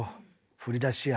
振り出しや。